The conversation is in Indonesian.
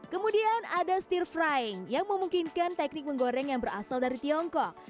kemudian ada stir frying yang memungkinkan teknik menggoreng yang berasal dari tiongkok